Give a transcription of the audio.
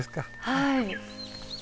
はい。